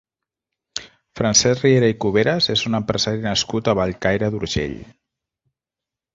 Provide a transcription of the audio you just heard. Francesc Riera i Cuberes és un empresari nascut a Bellcaire d'Urgell.